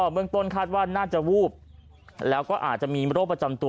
เมืองต้นคาดว่าน่าจะวูบแล้วก็อาจจะมีโรคประจำตัว